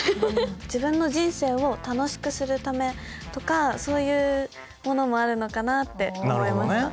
自分の人生を楽しくするためとかそういうものもあるのかなって思いました。